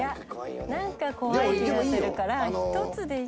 なんか怖い気がするから１つで。